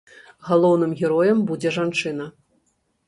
Галоўным героем будзе жанчына.